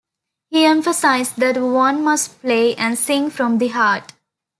He emphasized that one must play and sing from the heart.